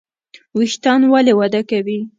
ویښتان ولې وده کوي؟